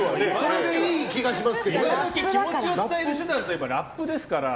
いまどき気持ちを伝える手段といえばラップですから。